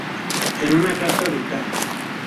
En una carta de ca.